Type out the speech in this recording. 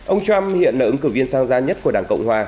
ông trump hiện là ứng cử viên sang gian nhất của đảng cộng hòa